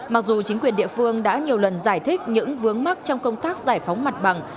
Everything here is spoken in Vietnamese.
mặc dù chính quyền địa phương đã nhiều lần giải thích những vướng mắc trong công tác giải phóng mặt bằng